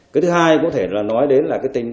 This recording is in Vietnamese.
cái thứ hai có thể là nói đến là cái tình